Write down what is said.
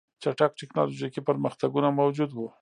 چټک ټکنالوژیکي پرمختګونه موجود وو